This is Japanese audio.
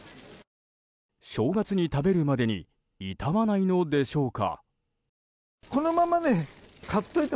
正月に食べるまでに傷まないのでしょうか。